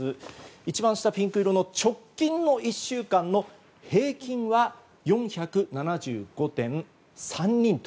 一番下、ピンク色の直近の１週間の平均は４７５．３人と。